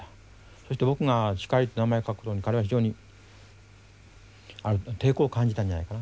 そして僕が光って名前を書くのに彼は非常に抵抗を感じたんじゃないかな。